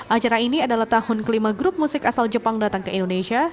acara ini adalah tahun kelima grup musik asal jepang datang ke indonesia